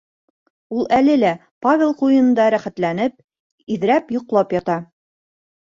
Ул әле лә Павел ҡуйынында рәхәтләнеп, иҙрәп йоҡлап ята.